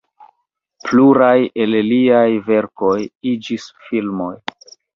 Pluraj el liaj verkoj iĝis filmoj.